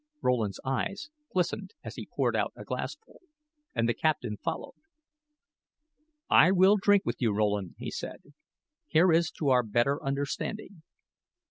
Rowland's eyes glistened as he poured out a glassful, and the captain followed. "I will drink with you, Rowland," he said; "here is to our better understanding."